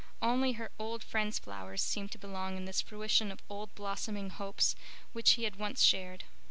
Only her old friend's flowers seemed to belong to this fruition of old blossoming hopes which he had once shared.